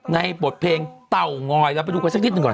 ไงปลดเพลงเต่างอยแล้วไปดูกันสักนิดหนึ่งก่อน